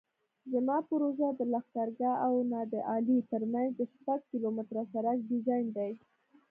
زما پروژه د لښکرګاه او نادعلي ترمنځ د شپږ کیلومتره سرک ډیزاین دی